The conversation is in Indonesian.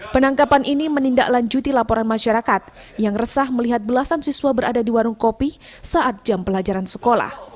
penangkapan ini menindaklanjuti laporan masyarakat yang resah melihat belasan siswa berada di warung kopi saat jam pelajaran sekolah